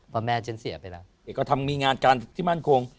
เพราะแม่ฉันเสียไปแล้วเอกก็ทำมีงานการที่มั่นคง